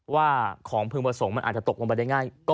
ว่าของพึงประสงค์มันอาจจะตกลงไปได้ง่าย